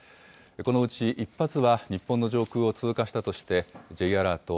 このうち１発は日本の上空を通過したとして、Ｊアラート